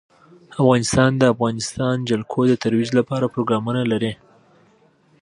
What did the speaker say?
افغانستان د د افغانستان جلکو د ترویج لپاره پروګرامونه لري.